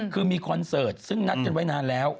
คือมีคอนเสิร์ตซึ่งนัดกันไว้นานแล้ว